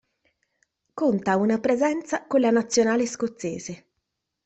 Conta un presenza con la Nazionale scozzese.